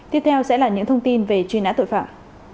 tiếp theo sẽ là những thông tin về truy nã tội phạm